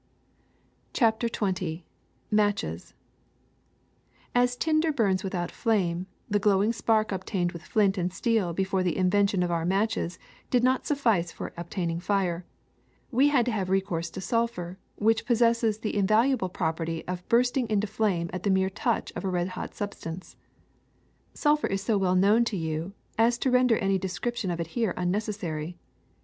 '' CHAPTER XX MATCHES *< AS tinder burns without flame, the glowing spark jlV obtained with flint and steel before the inven tion of our matches did not suffice for obtaining fire ; we had to have recourse to sulphur, which possesses the invaluable property of bursting into flame at the mere touch of a red hot substance. ^* Sulphur is so well known to you as to render any description of it here unnecessary.